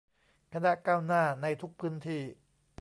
คณะก้าวหน้า ในทุกพื้นที่